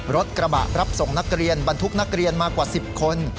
รถกระบะรับส่งนักเรียนบรรทุกนักเรียนมากว่า๑๐คน